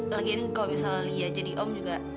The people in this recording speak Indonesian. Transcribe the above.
lagian kalau misalnya elia jadi om juga